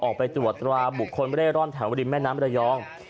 ออกไปตรวจว่าบุคคลไม่ได้ร่อนแถวดินแม่น้ำมรยอง